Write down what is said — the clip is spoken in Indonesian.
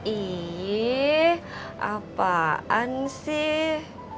ih apaan sih